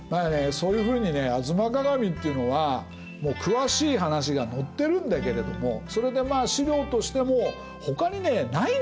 そういうふうにね「吾妻鏡」っていうのは詳しい話が載ってるんだけれどもそれでまあ史料としてもほかにねないんですよ